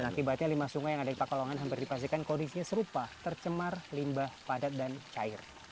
dan akibatnya lima sungai yang ada di pekalongan hampir dipastikan kondisinya serupa tercemar limbah padat dan cair